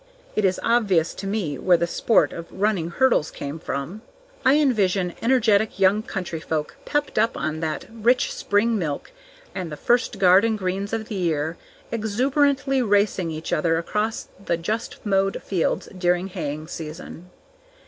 It is obvious to me where the sport of running hurdles came from; I envision energetic young countryfolk, pepped up on that rich spring milk and the first garden greens of the year, exuberantly racing each other across the just mowed fields during haying season.